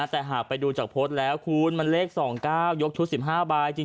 แต่หากไปดูจากโพสต์แล้วคุณมันเลข๒๙ยกชุด๑๕ใบจริง